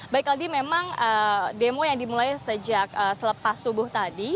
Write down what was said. baik aldi memang demo yang dimulai sejak selepas subuh tadi